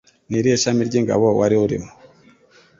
Ni irihe shami ry'ingabo wari urimo?